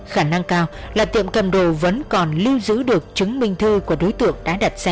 khả năng cao là tiệm cầm đồ vẫn còn lưu giữ được chứng minh thư của đối tượng đã đặt xe